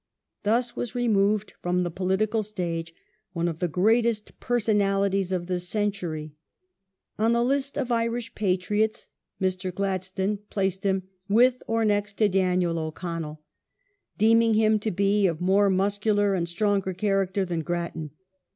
2 Thus was removed from the political stage one of the great personalities of the century. " On the list ofjjtisb patriots " Mr. Gladstone placed him " with or next to Daniel O'Connell," deeming him to be " of more masculine and stronger character than Grattan